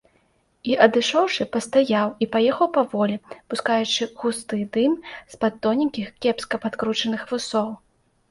І, адышоўшы, пастаяў і паехаў паволі, пускаючы густы дым з-пад тоненькіх, кепска падкручаных вусоў.